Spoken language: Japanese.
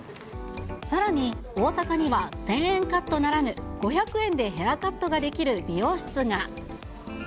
さらに、大阪には１０００円カットならぬ、５００円でヘアカットができる美容室が。